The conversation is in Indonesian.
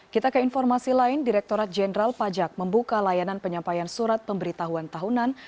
kita ke informasi lain direkturat jenderal pajak membuka layanan penyampaian surat pemberitahuan tahunan